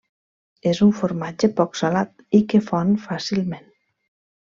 És un formatge poc salat i que fon fàcilment.